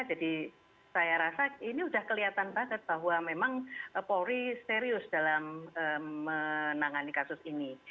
jadi saya rasa ini sudah kelihatan banget bahwa memang polri serius dalam menangani kasus ini